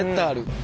ある。